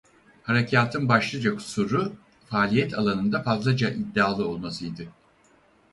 Harekâtın başlıca kusuru faaliyet alanında fazlaca iddialı olmasıydı.